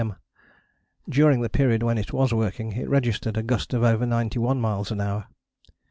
M. During the period when it was working it registered a gust of over 91 miles an hour.